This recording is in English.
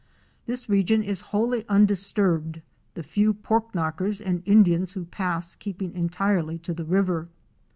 This region is wholly undisturbed, the few " pork knockers' and Indians who pass keeping entirely to the river.